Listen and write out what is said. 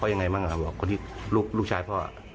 ยังไงบ้างเขาที่เป็นลูกชายพ่อ